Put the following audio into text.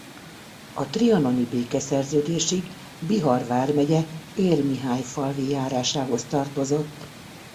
A trianoni békeszerződésig Bihar vármegye Érmihályfalvi járásához tartozott.